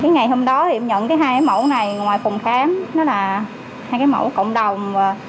ngày hôm đó em nhận hai mẫu này ngoài phòng khám hai mẫu cộng đồng